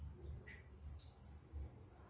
แบบไวนำเทียม